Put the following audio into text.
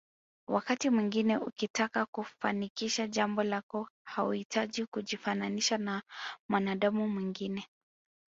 Wakati mwingine ukitaka kufanikisha jambo lako hauhitaji kujifananisha na mwanadamu mwingine